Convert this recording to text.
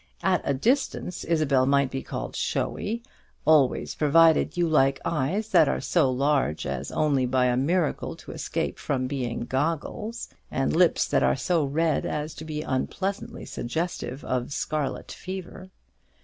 At a distance Isabel might be called showy; always provided you like eyes that are so large as only by a miracle to escape from being goggles, and lips that are so red as to be unpleasantly suggestive of scarlet fever.